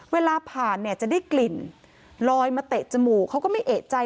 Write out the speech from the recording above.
เวลาผ่านเนี่ยจะได้กลิ่นลอยมาเตะจมูกเขาก็ไม่เอกใจ